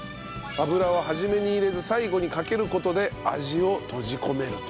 油は初めに入れず最後にかける事で味を閉じ込めると。